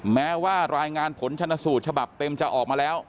แม้ว่ารายงานผลชนสูตรฉบับเต็มจะออกมาแล้ว